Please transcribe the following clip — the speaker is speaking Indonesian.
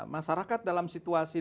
masyarakat dalam situasi